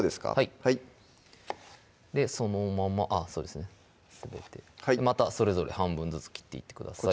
はいそのままそうですねすべてまたそれぞれ半分ずつ切っていってください